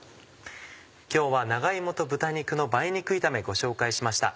今日は「長芋と豚肉の梅肉炒め」ご紹介しました。